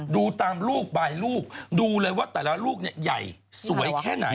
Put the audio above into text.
ดูตามลูกใบลูกดูเลยว่าแต่ละลูกนักสวยแค่ไหน